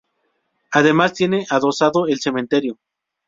Además tiene adosado el cementerio.